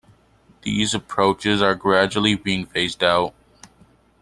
These approaches are gradually being phased out.